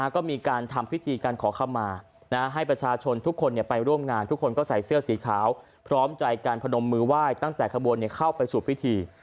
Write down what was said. ก็มีการทำพิธีการขอเข้ามาให้ประชาชนทุกคนไปร่วมงานทุกคนก็ใส่เสื้อสีขาวพร้อมใจการพนมมือไหว้ตั้งแต่ขบวนเข้าไปสู่พิธี